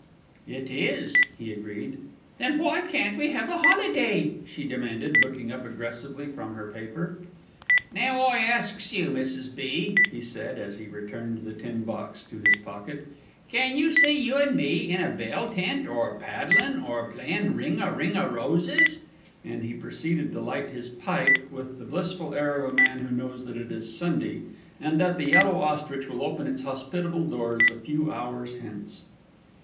"It is," he agreed. "Then why can't we have a holiday?" she demanded, looking up aggressively from her paper. "Now I asks you, Mrs. B.," he said, as he returned the tin box to his pocket, "can you see you an' me in a bell tent, or paddlin', or playin' ring a ring a roses?" and he proceeded to light his pipe with the blissful air of a man who knows that it is Sunday, and that The Yellow Ostrich will open its hospitable doors a few hours hence.